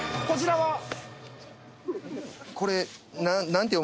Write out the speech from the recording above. ［こちらは］